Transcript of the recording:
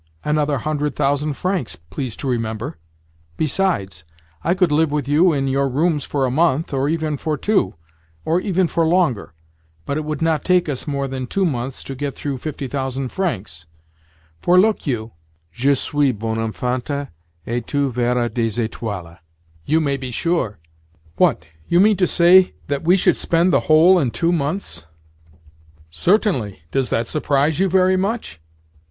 "Another hundred thousand francs, please to remember. Besides, I could live with you in your rooms for a month, or even for two; or even for longer. But it would not take us more than two months to get through fifty thousand francs; for, look you, je suis bonne enfante, et tu verras des étoiles, you may be sure." "What? You mean to say that we should spend the whole in two months?" "Certainly. Does that surprise you very much?